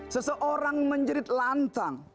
seseorang menjerit lantang